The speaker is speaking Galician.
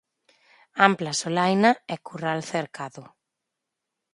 Ampla solaina e curral cercado.